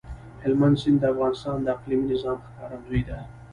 هلمند سیند د افغانستان د اقلیمي نظام ښکارندوی ده.